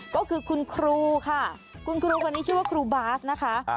ก็คือคุณครูค่ะคุณครูคนนี้ชื่อว่าครูบาสนะคะ